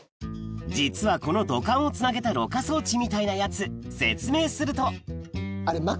実はこの土管をつなげたろ過装置みたいなやつ説明するとあっ枕！